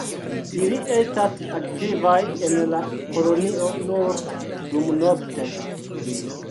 Ili estas aktivaj en la kolonio nur dumnokte.